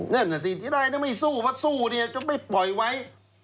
นั่นสิที่ใดไม่สู้เพราะสู้เนี่ยก็ไม่ปล่อยไว้